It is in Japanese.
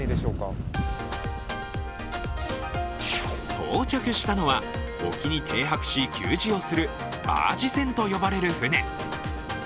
到着したのは沖に停泊し、給餌をするバージ船と呼ばれる船。